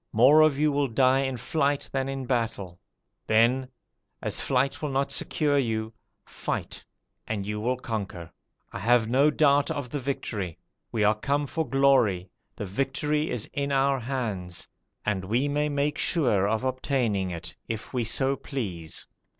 More of you will die in flight than in the battle. Then, as flight will not secure you, fight, and you will conquer. I have no doubt of the victory: we are come for glory, the victory is in our hands, and we may make sure of obtaining it if we so please.'